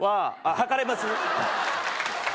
履かれます？